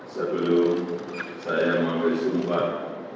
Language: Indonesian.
sebelum saya mengambil sumpah